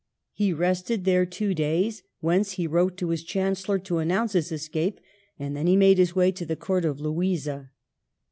^ He rested there two days, whence he wrote to his chancel lor to announce his escape; and then he made his way to the court of Louisa.